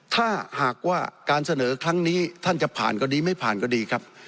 ถ้าหากว่าการเสนอครั้งนี้ท่านจะผ่านก็ดีไม่ผ่านก็ดีครับ